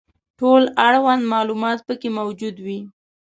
ټول اړوند معلومات پکې موجود وي.